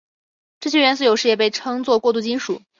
这些元素有时也被称作过渡金属。